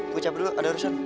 ucap dulu ada urusan